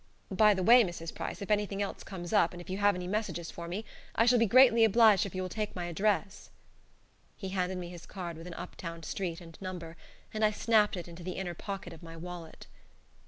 By the way, Mrs. Price, if anything else comes up, and if you have any messages for me, I shall be greatly obliged if you will take my address." He handed me his card with an up town street and number, and I snapped it into the inner pocket of my wallet.